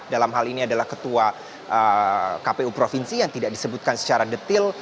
dalam hal ini adalah ketua kpu provinsi yang tidak disebutkan secara detil